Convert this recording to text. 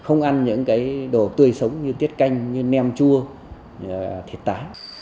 không ăn những cái đồ tươi sống như tiết canh như nem chua thịt tá